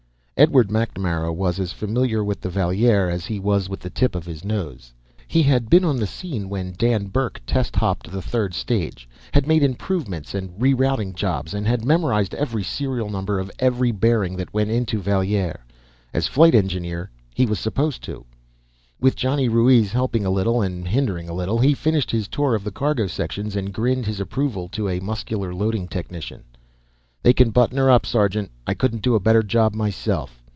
Edward MacNamara was as familiar with the Valier as he was with the tip of his nose. He had been on the scene when Dan Burke test hopped the third stage, had made improvements and re routing jobs, and had memorized every serial number of every bearing that went into Valier. As Flight Engineer, he was supposed to. With Johnny Ruiz helping a little and hindering a little, he finished his tour of the cargo sections and grinned his approval to a muscular loading technician. "They can button her up, sergeant. I couldn't do a better job myself."